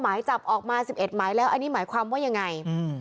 หมายจับออกมา๑๑หมายแล้วอันนี้หมายความว่ายังไง